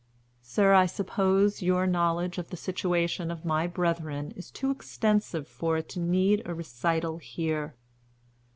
"Sir, I suppose your knowledge of the situation of my brethren is too extensive for it to need a recital here.